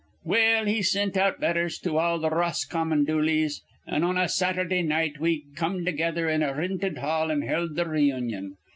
"Well, he sint out letthers to all th' Roscommon Dooleys; an' on a Saturdah night we come together in a rinted hall an' held th' reunion.